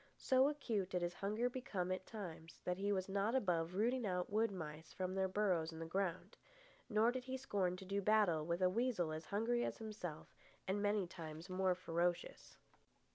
So acute did his hunger become at times that he was not above rooting out wood mice from their burrows in the ground. Nor did he scorn to do battle with a weasel as hungry as himself and many times more ferocious.